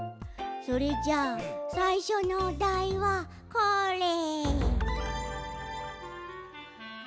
それじゃあさいしょのおだいはこれ。